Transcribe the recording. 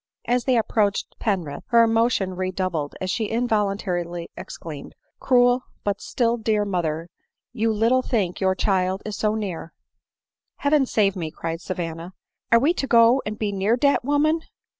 As they approached Penrith, her emotion redoubled, and she involuntarily exclaimed —" Cruel, but still dear mother, you little think your child is so near !"" Heaven save me !" cried Savanna ;" are we to go and be near dat woman